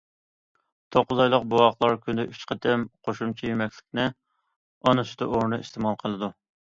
توققۇز ئايلىق بوۋاقلار كۈندە ئۈچ قېتىم قوشۇمچە يېمەكلىكنى ئانا سۈتى ئورنىدا ئىستېمال قىلىدۇ.